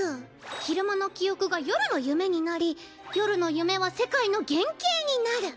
昼間の記憶が夜の夢になり夜の夢は世界の原形になる。